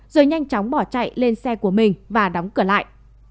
rồi nhanh chóng bỏ chạy lên xe của mình và đóng cửa lại